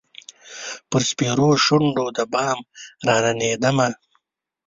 پر سپیرو شونډو د بام راننېدمه